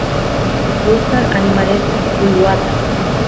gustan animalesta uywata